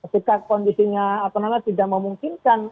jika kondisinya tidak memungkinkan